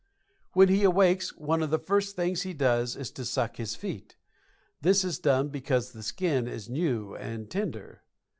When he awakes one of the first things he does is to suck his feet. This is done because the skin is new and tender.